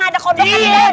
mana ada air bi